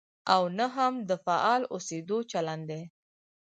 او نه هم د فعال اوسېدو چلند دی.